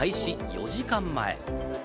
４時間前。